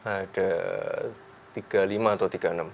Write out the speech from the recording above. ada tiga puluh lima atau tiga puluh enam